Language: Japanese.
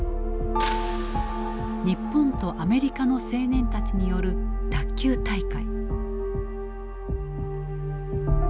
日本とアメリカの青年たちによる卓球大会。